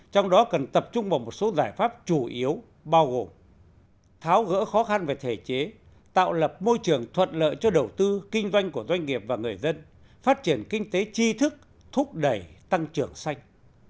trong đó cần tập trung vào một số giải pháp chủ yếu bao gồm tháo gỡ khó khăn về thể chế tạo lập môi trường thuận lợi cho đầu tư kinh doanh của doanh nghiệp và người dân phát triển kinh tế chi thức thúc đẩy tăng trưởng xanh